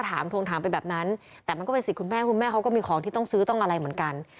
ทวงถามไปแบบนั้นแต่มันก็เป็นสิทธิ์คุณแม่คุณแม่เขาก็มีของที่ต้องซื้อต้องอะไรเหมือนกัน